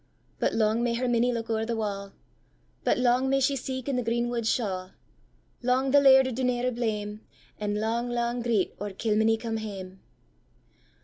But lang may her minny look o'er the wa',And lang may she seek i' the green wood shaw; Lang the laird o' Duneira blame, And lang, lang greet or Kilmeny come hame!